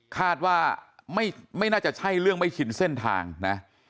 คาดว่าไม่น่าจะใช่เรื่องไม่ชินเส้นทางนะ